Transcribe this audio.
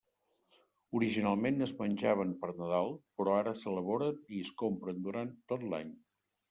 Originalment es menjaven per Nadal, però ara s'elaboren i es compren durant tot l'any.